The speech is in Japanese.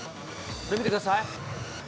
これ、見てください。